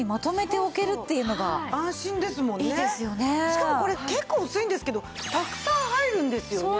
しかもこれ結構薄いんですけどたくさん入るんですよね。